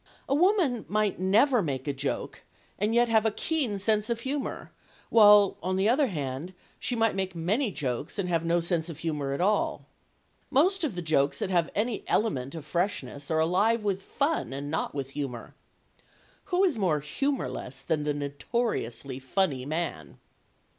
A woman might never make a joke, and yet have a keen sense of humour, while, on the other hand, she might make many jokes, and have no sense of humour at all. Most of the jokes that have any element of freshness are alive with fun, and not with humour. Who is more humourless than the notoriously funny man?